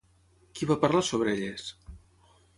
Qui va parlar sobre elles?